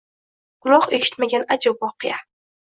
quloq eshitmagan ajib voqea —